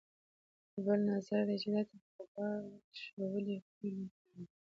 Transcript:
یو بل نظر دی چې دلته به پخوا شولې کرلې کېدې.